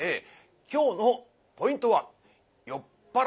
今日のポイントは「酔っ払いは虎と言う」。